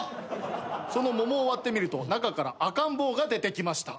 その桃を割ってみると中から赤ん坊が出てきました。